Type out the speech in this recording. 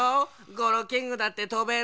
ゴロウキングだってとべるぞ！